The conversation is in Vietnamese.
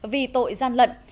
vì tội gian lận